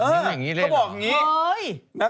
เขาบอกอย่างงี้